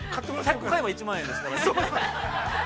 ◆１００個買えば１万円ですから。